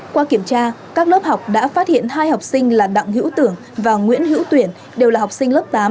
qua kiểm tra các lớp học đã phát hiện hai học sinh là đặng hữu tưởng và nguyễn hữu tuyển đều là học sinh lớp tám